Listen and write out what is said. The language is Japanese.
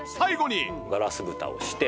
ガラス蓋をして。